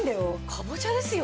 かぼちゃですよ？